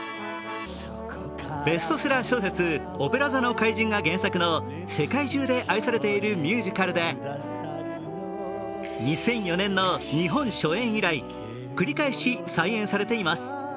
ベストセラー小説「オペラ座の怪人」が原作の世界中で愛されているミュージカルで２００４年の日本初演以来、繰り返し再演されています。